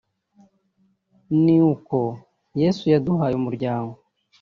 ni uko Yesu yaduhaye umuryango